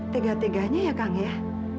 tiga tiganya ya kang ya